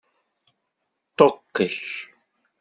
Ṭukkek.